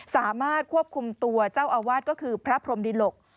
สามารถควบคุมตัวเจ้าอาวาสก็คือพระพรมดิหลก